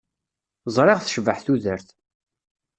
Ẓriɣ tecbeḥ tudert.